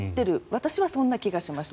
私はそんな気がしました。